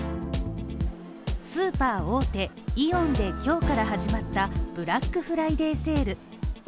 スーパー大手イオンで今日から始まったブラックフライデーセール。